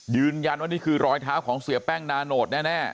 ยืนยันว่านี่คือรอยเท้าของเสียแป้งนาโนตแน่